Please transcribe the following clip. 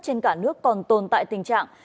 trên cả nước còn tồn tại tình trạng